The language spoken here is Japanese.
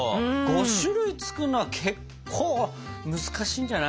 ５種類作るのは結構難しいんじゃない？